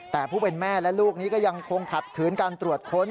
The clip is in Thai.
แต่ผู้เป็นแม่และลูกนี้ก็ยังคงขัดขืนการตรวจค้น